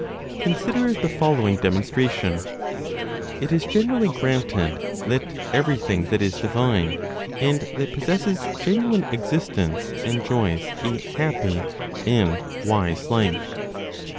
Consider the following demonstration. It is generally granted that everything that is divine and that possesses genuine existence enjoys a happy and wise life.